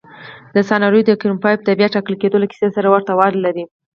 دا سناریو د کریموف د بیا ټاکل کېدو له کیسې سره ورته والی لري.